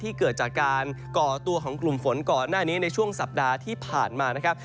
เกิดจากการก่อตัวของกลุ่มฝนก่อนหน้านี้ในช่วงสัปดาห์ที่ผ่านมานะครับ